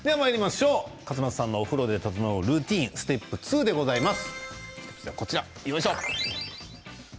笠松さんのお風呂で整うルーティンステップ２でございます。